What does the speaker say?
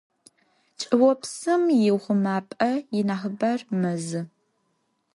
Чӏыопсым иухъумапӏэ инахьыбэр мэзы.